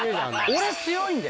俺強いんだよ。